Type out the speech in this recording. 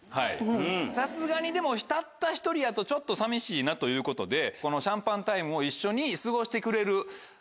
さすがにでもたった１人やとちょっと寂しいなということで。を一緒に過ごしてくれる。